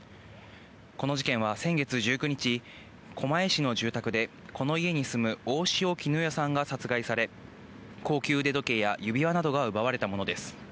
この事件は先月１９日、狛江市の住宅で、この家に住む大塩衣与さんが殺害され、高級腕時計や指輪などが奪われたものです。